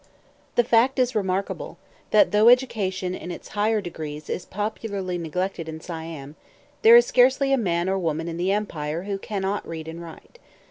The fact is remarkable, that though education in its higher degrees is popularly neglected in Siam, there is scarcely a man or woman in the empire who cannot read and write.